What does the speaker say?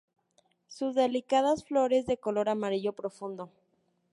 Sus delicadas flores de color amarillo profundo.